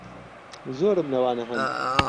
زۆرم لەوانە ھەن.